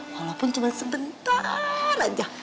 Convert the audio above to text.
walaupun cuma sebentar aja